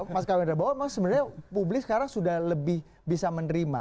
mas kauwira bahwa sebenarnya publis sekarang sudah lebih bisa menerima